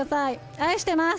愛してます。